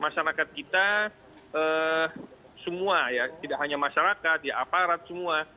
masyarakat kita semua ya tidak hanya masyarakat ya aparat semua